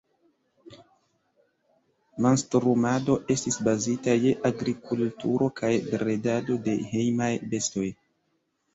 Mastrumado estis bazita je agrikulturo kaj bredado de hejmaj bestoj.